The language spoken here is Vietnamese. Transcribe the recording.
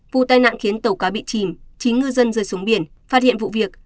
vụ tai nạn khiến tàu cá bị chìm chín ngư dân rơi xuống biển phát hiện vụ việc